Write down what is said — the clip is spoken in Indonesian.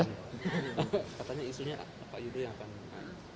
katanya isunya pak yudho yang akan